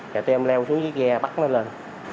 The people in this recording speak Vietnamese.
rồi tụi em leo xuống chiếc ghe bắt nó lên